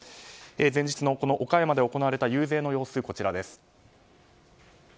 前日の岡山で行われた遊説の様子です。